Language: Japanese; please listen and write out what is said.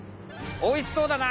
「おいしそうだな！」。